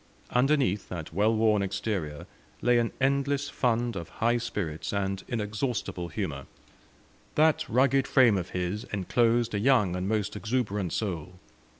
Underneath that well worn exterior lay an endless fund of high spirits and inexhaustible humour; that rugged frame of his enclosed a young and most exuberant soul.